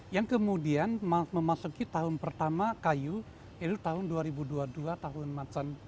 yang kemudian memasuki tahun pertama kayu itu tahun dua ribu dua puluh dua tahun macan